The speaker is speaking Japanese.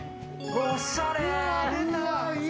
おしゃれ！